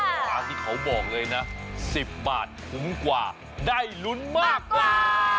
ร้านที่เขาบอกเลยนะ๑๐บาทคุ้มกว่าได้ลุ้นมากกว่า